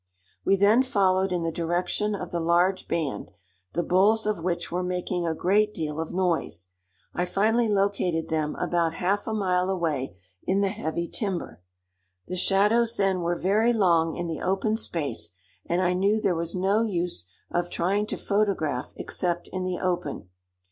We then followed in the direction of the large band, the bulls of which were making a great deal of noise. I finally located them about half a mile away in the heavy timber. The shadows then were very long in the open space, and I knew there was no use of trying to photograph except in the open.